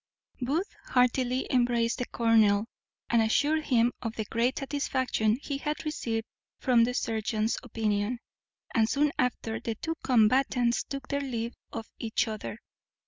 Booth heartily embraced the colonel, and assured him of the great satisfaction he had received from the surgeon's opinion; and soon after the two combatants took their leave of each other.